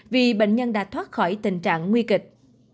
vì bệnh nhân đã thoát khỏi tình trạng nguy kịch